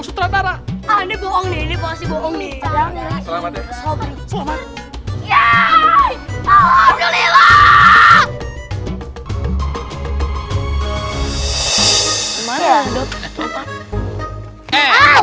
sutradara aneh bohong ini pasti bohong nih ya ya ya ya allah abdulillah